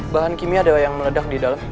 bahan kimia ada yang meledak di dalam